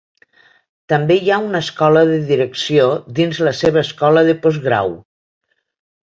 També hi ha una escola de direcció dins la seva escola de posgrau.